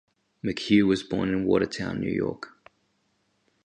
McHugh was born in Watertown, New York.